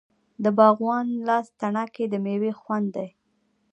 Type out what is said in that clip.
د باغوان لاس تڼاکې د میوې خوند دی.